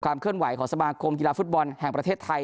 เคลื่อนไหวของสมาคมกีฬาฟุตบอลแห่งประเทศไทย